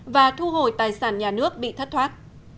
và thu hồi tài sản nhà nước bị thất thoát